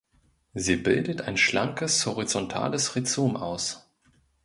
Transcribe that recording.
Sie bildet ein schlankes horizontales Rhizom aus.